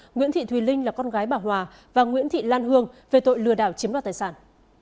nguyễn thị thùy linh là con gái bà hòa và nguyễn thị lan hương về tội lừa đảo chiếm đoạt tài sản